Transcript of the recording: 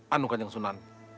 anu kanjeng sunan